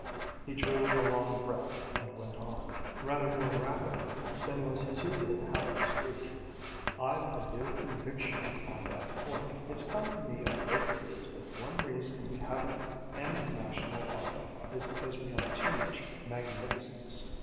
He drew a long breath and went on, rather more rapidly than was his usual habit of speech: "I've a real conviction on that point. It's come to me of late years that one reason we haven't any national art is because we have too much magnificence.